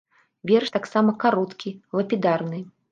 Верш таксама кароткі, лапідарны.